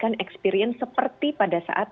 dan memberikan experience seperti pada saat